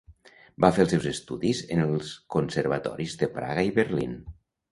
Va fer els seus estudis en els Conservatoris de Praga i Berlín.